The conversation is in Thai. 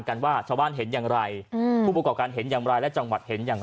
ว่าชาวบ้านเห็นอย่างไรอืมผู้ประกอบการเห็นอย่างไรและจังหวัดเห็นอย่างไร